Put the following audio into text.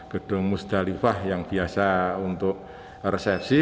gedung musdalifah yang biasa untuk resepsi